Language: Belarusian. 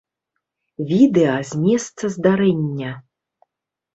Відэа з месца здарэння.